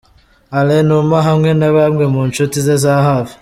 Alain Numa hamwe na bamwe mu nshuti ze za hafi.